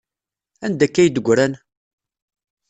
Anda akka ay d-ggran?